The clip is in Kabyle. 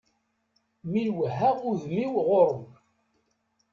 Mi n-wehheɣ udem-iw ɣur-m.